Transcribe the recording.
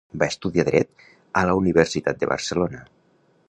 Va estudiar Dret a la Universitat de Barcelona.